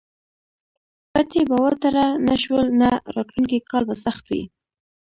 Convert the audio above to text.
پټي به وتره نه شول نو راتلونکی کال به سخت وي.